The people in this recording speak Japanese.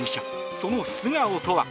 その素顔とは。